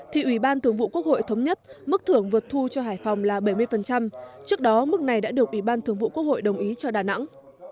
thì ủy ban thường vụ quốc hội thống nhất mức thưởng vượt thu cho hải phòng là bảy mươi trước đó mức này đã được ủy ban thường vụ quốc hội đồng ý cho đà nẵng